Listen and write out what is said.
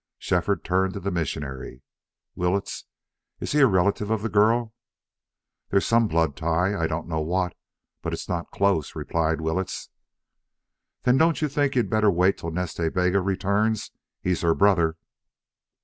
Shefford turned to the missionary. "Willetts, is he a relative of the girl?" "There's some blood tie, I don't know what. But it's not close," replied Willetts. "Then don't you think you'd better wait till Nas Ta Bega returns? He's her brother."